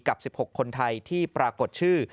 กับ๑๖คนไทยที่ปรากฏชื่อ